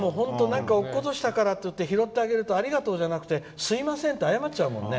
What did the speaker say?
落としたからといって拾ったら「ありがとう」じゃなくて「すみません」って謝っちゃうもんね。